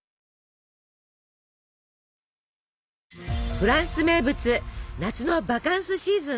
フランス名物夏のバカンスシーズン。